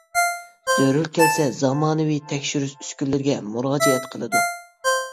زۆرۈر كەلسە زامانىۋى تەكشۈرۈش ئۈسكۈنىلىرىگە مۇراجىئەت قىلىدۇ.